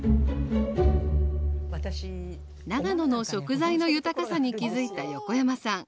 長野の食材の豊かさに気づいた横山さん。